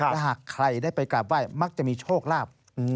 และหากใครได้ไปกราบไห้มักจะมีโชคลาภ